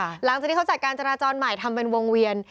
หลังจากที่เขาจัดการจราจรใหม่ทำเป็นวงเวียน